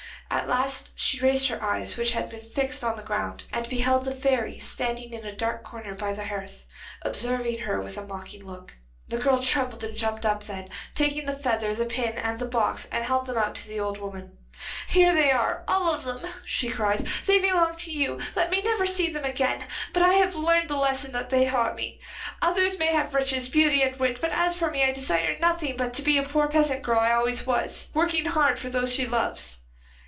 At last she raised her eyes, which had been fixed on the ground, and beheld the fairy standing in a dark corner by the hearth, observing her with a mocking look. The girl trembled and jumped up, then, taking the feather, the pin, and the box, she held them out to the old woman. 'Here they are, all of them,' she cried; 'they belong to you. Let me never see them again, but I have learned the lesson that they taught me. Others may have riches, beauty and wit, but as for me I desire nothing but to be the poor peasant girl I always was, working hard for those she loves.